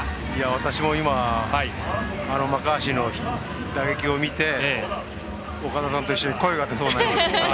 私も今マッカーシーの打撃を見て岡田さんと一緒に声が出そうになりました。